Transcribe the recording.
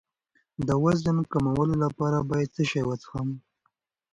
د وزن کمولو لپاره باید څه شی وڅښم؟